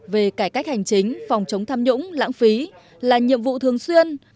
về cải cách hành chính phòng chống tham nhũng lãng phí là nhiệm vụ thường xuyên